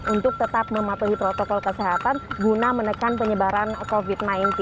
untuk tetap mematuhi protokol kesehatan guna menekan penyebaran covid sembilan belas